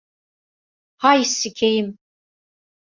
Hay sikeyim.